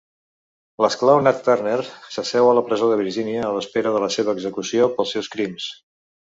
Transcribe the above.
L'esclau negre Nat Turner s'asseu a la presó de Virgínia a l'espera de la seva execució pels seus crims.